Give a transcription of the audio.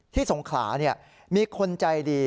สงขลามีคนใจดี